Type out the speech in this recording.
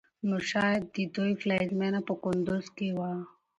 نو شايد د دوی پلازمېنه په کندوز کې وه